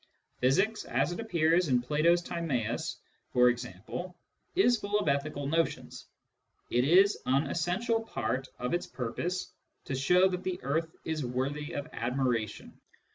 Physics, as it appears in Plato's Timaus for example, is full of ethical notions : it is an essential part of its purpose to show that the earth is worthy of admiration.